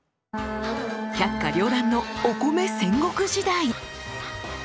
百花りょう乱のお米戦国時代！